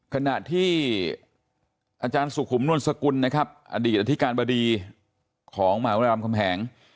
ขณะที่อสุขุมนวลสกุลอดีตอธิการบดีของมหาวิทยาลัยรามคำแหง